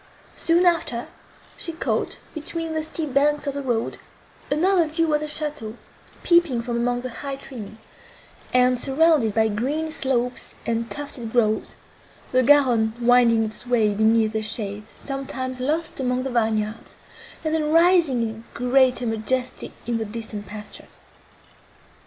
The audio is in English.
Soon after, she caught, between the steep banks of the road, another view of the château, peeping from among the high trees, and surrounded by green slopes and tufted groves, the Garonne winding its way beneath their shades, sometimes lost among the vineyards, and then rising in greater majesty in the distant pastures.